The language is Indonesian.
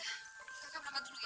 kakak berangkat dulu ya